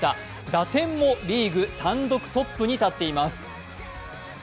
打点もリーグ単独トップにたっています。